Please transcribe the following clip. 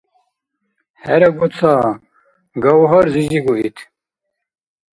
ХӀерагу ца, Гавгьар-зизигу ит.